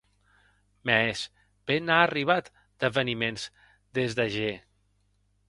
Mès, be n’a arribat d’eveniments dès ager!